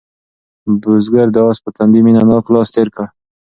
بزګر د آس په تندي مینه ناک لاس تېر کړ او ورته ویې خندل.